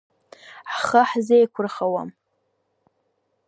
Ҳхы ҳзеиқәырхауам…